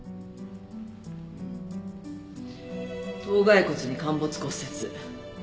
頭蓋骨に陥没骨折。